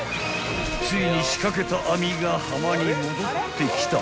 ［ついに仕掛けた網が浜に戻ってきた］